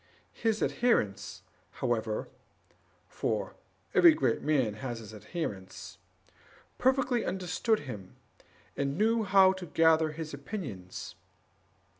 His adherents, however (for every great man has his adherents), perfectly understood him, and knew how to gather his opinions.